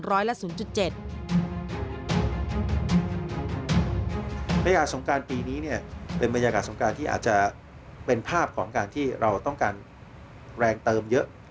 ประหยากสงครานปีนี้เป็นประหยากสงครานที่อาจจะเป็นภาพของการที่เราต้องการแรงเติมเยอะ